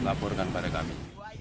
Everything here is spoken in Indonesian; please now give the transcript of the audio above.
laporkan pada kami